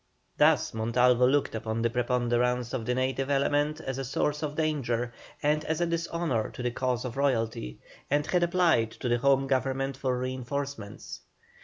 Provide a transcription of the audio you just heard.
Thus Montalvo looked upon the preponderance of the native element as a source of danger, and as a dishonour to the cause of royalty, and had applied to the Home Government for reinforcements.